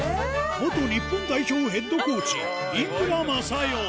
元日本代表ヘッドコーチ、井村雅代。